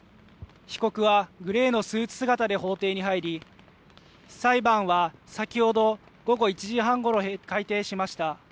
被告はグレーのスーツ姿で法廷に入り、裁判は先ほど午後１時半ごろ開廷しました。